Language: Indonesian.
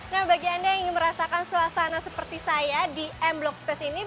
nah bagi anda yang ingin merasakan suasana seperti saya di m block space ini